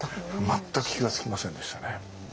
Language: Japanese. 全く気が付きませんでしたね。